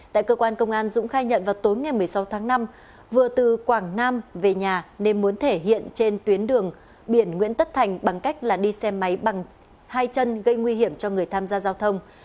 tại cơ quan công an dũng khai nhận vào tối ngày một mươi sáu tháng năm vừa từ quảng nam về nhà nên muốn thể hiện trên tuyến đường biển nguyễn tất thành bằng cách đi xe máy bằng hai chân gây nguy hiểm cho người tham gia giao thông